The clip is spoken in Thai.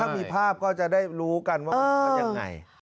ถ้ามีภาพก็จะได้รู้กันว่ามันยังไง